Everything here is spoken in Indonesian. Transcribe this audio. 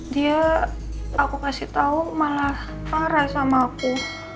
dia aku kasih tau malah parah sama aku